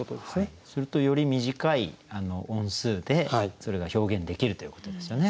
するとより短い音数でそれが表現できるということですよね。